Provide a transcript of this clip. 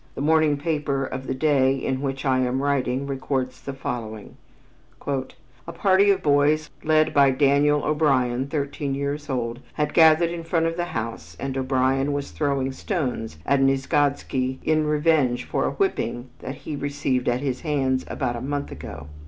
The morning paper of the day in which I am writing records the following: "A party of boys, led by Daniel O'Brien, thirteen years old, had gathered in front of the house and O'Brien was throwing stones at Nieczgodzki in revenge for a whipping that he received at his hands about a month ago.